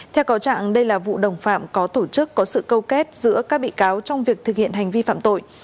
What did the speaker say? theo cáo trạng đây là vụ đồng phạm có tổ chức có sự câu kết giữa các bị cáo trong việc thực hiện hành vi phạm tội